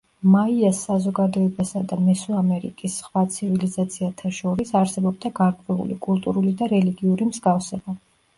მაიას საზოგადოებასა და მესოამერიკის სხვა ცივილიზაციათა შორის არსებობდა გარკვეული კულტურული და რელიგიური მსგავსება.